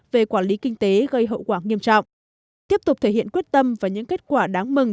về quản lý kinh tế gây hậu quả nghiêm trọng tiếp tục thể hiện quyết tâm và những kết quả đáng mừng